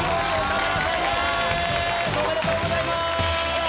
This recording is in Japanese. おめでとうございます！